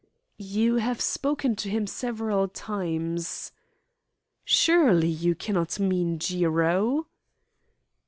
"You have spoken to him several times." "Surely you cannot mean Jiro!"